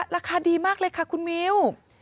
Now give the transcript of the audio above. ราคาดีมากเลยค่ะคุณมิว